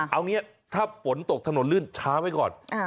เอางี้ถ้าฝนตกถนนลื่นช้าไว้ก่อน